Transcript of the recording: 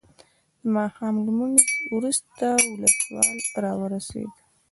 د ماښام لمونځ وروسته ولسوال راورسېد.